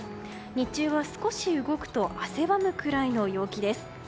日中は少し動くと汗ばむくらいの陽気です。